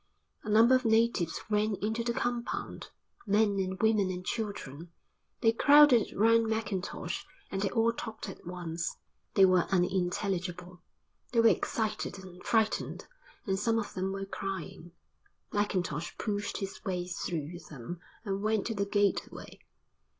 A number of natives ran into the compound, men and women and children; they crowded round Mackintosh and they all talked at once. They were unintelligible. They were excited and frightened and some of them were crying. Mackintosh pushed his way through them and went to the gateway.